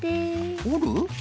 おる？